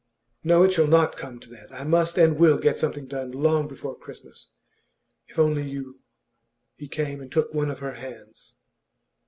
'No, it shall not come to that. I must and will get something done long before Christmas. If only you ' He came and took one of her hands.